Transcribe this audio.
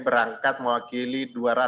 berangkat mewakili dua ratus tujuh puluh